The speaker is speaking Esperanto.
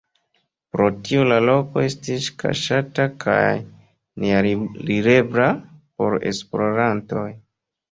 Pro tio la loko estis kaŝata kaj nealirebla por esplorantoj.